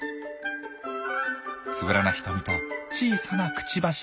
つぶらな瞳と小さなくちばし。